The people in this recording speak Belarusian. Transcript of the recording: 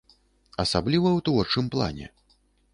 Асабліва ў творчым плане.